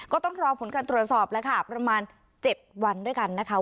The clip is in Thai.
ก็ต้องรอผลการตรวจสอบแล้วค่ะประมาณ๗วันด้วยกันนะคะ